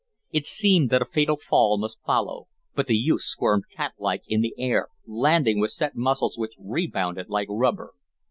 It seemed that a fatal fall must follow, but the youth squirmed catlike in the air, landing with set muscles which rebounded like rubber.